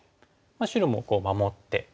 白も守って。